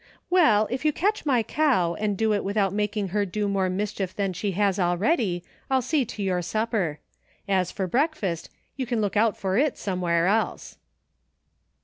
Well, if you catch my cow, and do it without making her do more mischief than she has already, I'll see to your supper. As for breakfast, you can look out for it somewhere else."